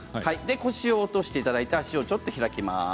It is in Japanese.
腰を落としていただいて足を、ちょっと開きます。